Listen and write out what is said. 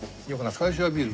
最初はビール？